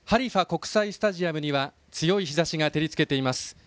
国際スタジアムには強い日ざしが照り付けています。